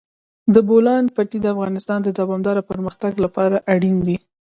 د بولان پټي د افغانستان د دوامداره پرمختګ لپاره اړین دي.